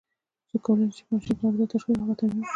څوک کولای شي چې په ماشین کې عارضه تشخیص او هغه ترمیم کړي؟